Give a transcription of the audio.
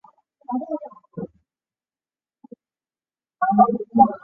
尤伯杯的成员国团队参与的国际羽毛球赛事。